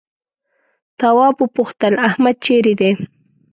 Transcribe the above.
تواب وپوښتل احمد چيرې دی؟